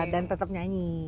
dan tetap nyanyi